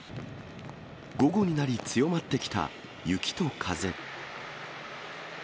午後になり、強まってきた雪と風。